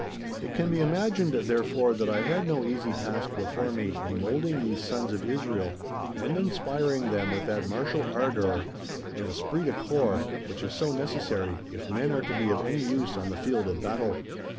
It can be imagined, therefore, that I had no easy task before me in moulding these sons of Israel, and inspiring them with that martial ardour and esprit de corps which is so necessary, if men are to be of any use on the field of battle.